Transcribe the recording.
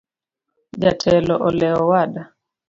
Jotelo olewo owada.